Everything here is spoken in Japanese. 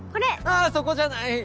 あそこじゃない！